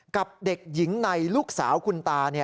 กับเด็กหญิงในลูกสาวคุณตา